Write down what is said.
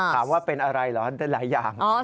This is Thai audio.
ถามว่าเป็นอะไรหรอแต่หลายอย่าง